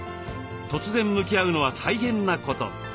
突然向き合うのは大変なこと。